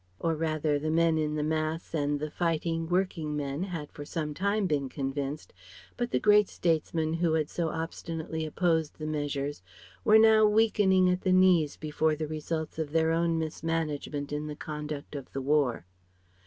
Or rather, the men in the mass and the fighting, working men had for some time been convinced, but the great statesmen who had so obstinately opposed the measures were now weakening at the knees before the results of their own mismanagement in the conduct of the War.